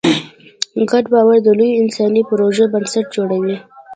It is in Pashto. ګډ باور د لویو انساني پروژو بنسټ جوړوي.